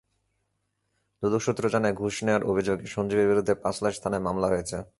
দুদক সূত্র জানায়, ঘুষ নেওয়ার অভিযোগে সঞ্জীবের বিরুদ্ধে পাঁচলাইশ থানায় মামলা হয়েছে।